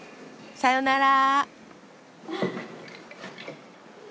さよなら。